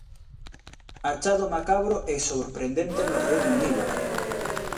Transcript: Achado macabro e sorprendente no Reino Unido.